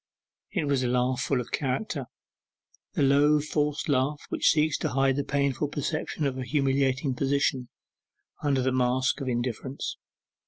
It was a laugh full of character; the low forced laugh which seeks to hide the painful perception of a humiliating position under the mask of indifference.